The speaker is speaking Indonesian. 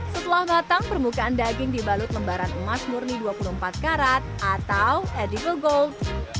setelah matang permukaan daging dibalut lembaran emas murni dua puluh empat karat atau edible gold